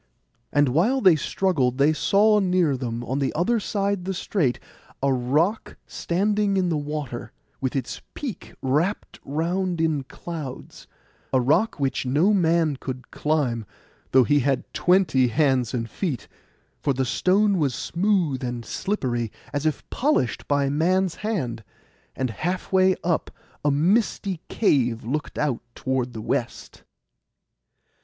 And while they struggled they saw near them, on the other side the strait, a rock stand in the water, with its peak wrapt round in clouds—a rock which no man could climb, though he had twenty hands and feet, for the stone was smooth and slippery, as if polished by man's hand; and halfway up a misty cave looked out toward the west.